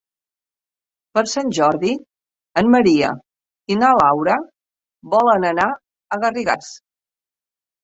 Per Sant Jordi en Maria i na Laura volen anar a Garrigàs.